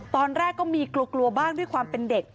ตอนแรกก็มีกลัวกลัวบ้างด้วยความเป็นเด็ก